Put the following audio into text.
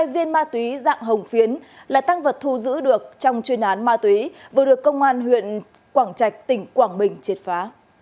một ba trăm tám mươi hai viên ma túy dạng hồng phiến là tăng vật thu giữ được trong chuyên án ma túy vừa được công an huyện quảng trạch tỉnh quảng bình triệt phá